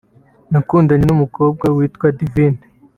nakundanye n’umukobwa witwa Divine